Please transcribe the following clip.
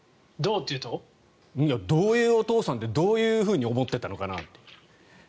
どういうお父さんでどういうふうに思っていたのかなって。